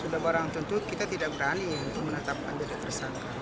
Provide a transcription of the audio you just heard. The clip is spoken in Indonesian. sudah barang tentu kita tidak berani menetapkan tersangka